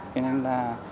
cho nên là